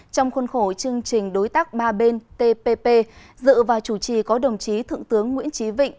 trong khuôn khổ chương trình đối tác ba bên tpp dự và chủ trì có đồng chí thượng tướng nguyễn trí vịnh